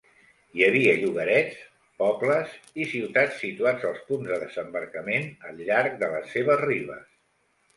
Hi havia llogarets, pobles i ciutats situats als punts de desembarcament al llarg de les seves ribes.